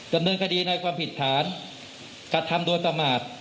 ดำเนินคดีในความผิดฐานกระทำโดยประมาท